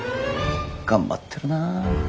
頑張ってるな。